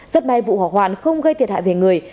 rất may vụ hỏa hoạn không gây thiệt hại về người